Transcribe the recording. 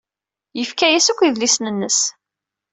Yefka-as akk idlisen-nnes.